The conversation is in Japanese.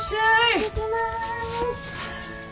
行ってきます。